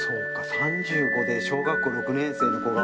３５で小学校６年生の子が。